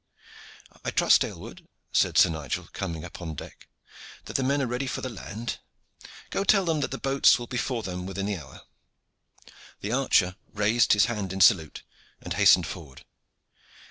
"I trust, Aylward," said Sir Nigel, coming upon deck, "that the men are ready for the land. Go tell them that the boats will be for them within the hour." The archer raised his hand in salute, and hastened forward.